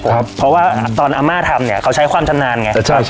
ครับเพราะว่าตอนอาม่าทำเนี้ยเขาใช้ความชำนาญไงใช่ใช่